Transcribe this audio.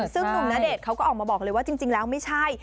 ซึ่งหนุ่มณเดชน์เขาก็ออกมาบอกเลยว่าจริงแล้วไม่ใช่